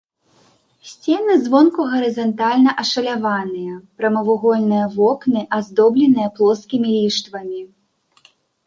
Сцены звонку гарызантальна ашаляваныя, прамавугольныя вокны аздобленыя плоскімі ліштвамі.